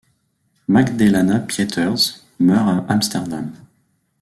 Magdalena Pietersz meurt à Amsterdam.